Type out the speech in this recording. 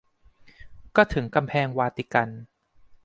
ก็ถึงกำแพงวาติกัน